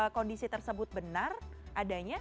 kondisi tersebut benar adanya